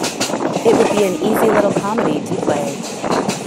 It would be an easy little comedy to play.